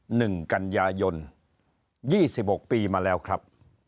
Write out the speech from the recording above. ๒๕๓๓หนึ่งกัญญายน๒๖ปีมาแล้วครับ